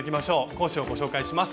講師をご紹介します。